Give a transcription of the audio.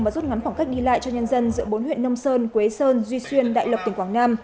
và rút ngắn khoảng cách đi lại cho nhân dân giữa bốn huyện nông sơn quế sơn duy xuyên đại lộc tỉnh quảng nam